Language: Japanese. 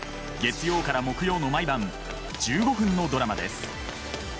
月曜から木曜の毎晩１５分のドラマです。